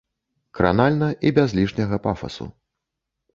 Кранальна і без лішняга пафасу.